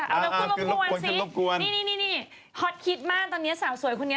เออพูดรบกวนสินี่ฮอตคิดมากตอนนี้สาวสวยคนนี้